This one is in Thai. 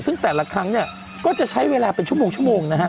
ซึ่งแต่ละครั้งเนี่ยก็จะใช้เวลาเป็นชั่วโมงนะฮะ